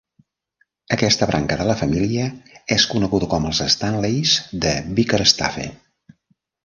Aquesta branca de la família és coneguda com els "Stanleys de Bickerstaffe".